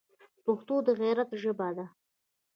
پښتو د غیرت ژبه ده